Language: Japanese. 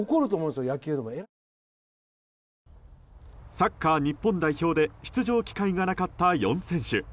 サッカー日本代表で出場機会がなかった４選手。